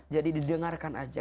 jadi didengarkan aja